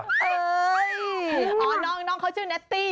อ๋อน้องเขาชื่อแนตตี้